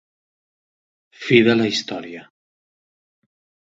Fi de la història.